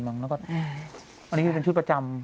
แล้วก็อันนี้คือเป็นชุดประจำ